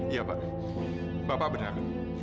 iya pak bapak benar